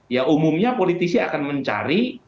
ya umumnya politisi akan mencari